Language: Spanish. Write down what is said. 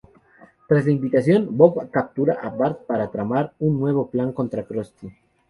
Tras la invitación, Bob captura a Bart para tramar un nuevo plan contra Krusty.